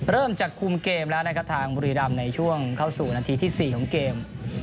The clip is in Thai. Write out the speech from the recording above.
เริ่มจากคุมเกมแล้วนะครับทางบุรีรำในช่วงเข้าสู่นาทีที่๔ของเกม